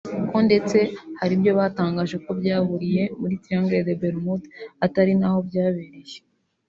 ko ndetse hari ibyo batangaje ko byaburiye muri Triangle des Bermude atari naho byabereye